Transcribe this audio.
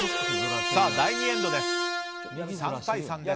第２エンドです。